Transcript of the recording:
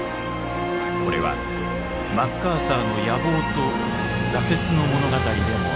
これはマッカーサーの野望と挫折の物語でもある。